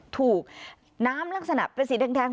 ถูกน้ำลักษณะเป็นสีแดง